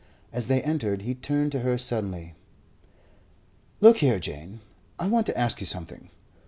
As they entered, he turned to her suddenly. "Look here, Jane, I want to ask you something.